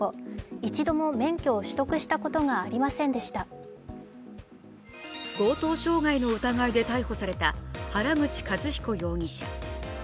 一度も免許を取得したことがありませんでした強盗傷害の疑いで逮捕された原口一彦容疑者